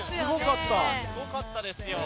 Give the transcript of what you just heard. すごかったですよ。